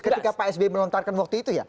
ketika pak sby melontarkan waktu itu ya